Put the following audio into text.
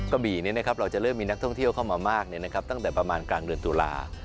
กระบี่เราจะเริ่มมีนักท่องเที่ยวเข้ามามากตั้งแต่ประมาณกลางเดือนตุลา